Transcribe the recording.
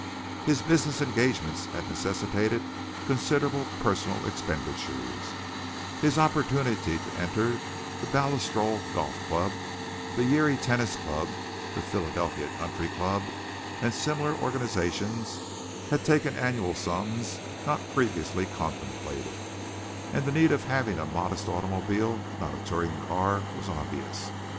His business engagements had necessitated considerable personal expenditures, his opportunity to enter the Baltusrol Golf Club, the Yere Tennis Club, the Philadelphia Country Club, and similar organizations had taken annual sums not previously contemplated, and the need of having a modest automobile, not a touring car, was obvious.